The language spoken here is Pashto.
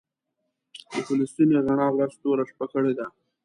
په فلسطین یې رڼا ورځ توره شپه کړې ده.